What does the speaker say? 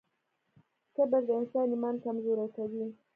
کبر د انسان ایمان کمزوری کوي.